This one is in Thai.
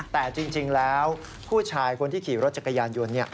แต่จริงแล้วผู้ชายคนที่ขี่รถจักรยานยนต์